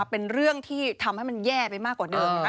เป็นเรื่องที่ทำให้มันแย่ไปมากกว่าเดิมนะคะ